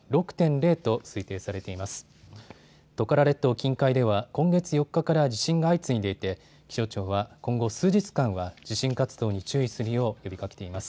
近海では今月４日から地震が相次いでいて気象庁は今後数日間は地震活動に注意するよう呼びかけています。